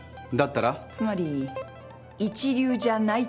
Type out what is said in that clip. つまり一流じゃないってこと。